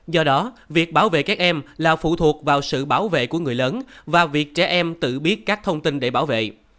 do đó việc bảo vệ các em là phụ thuộc vào sự bảo vệ của người lớn và việc trẻ em tự biết các thông tin để bảo vệ